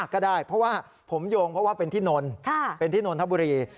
ก็ได้เพราะว่าผมโยงเพราะว่าเป็นที่นทบุรี